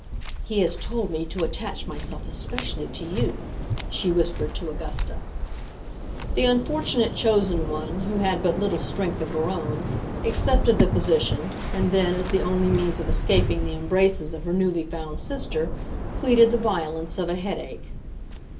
"He has told me to attach myself especially to you," she whispered to Augusta. The unfortunate chosen one, who had but little strength of her own, accepted the position, and then, as the only means of escaping the embraces of her newly found sister, pleaded the violence of a headache.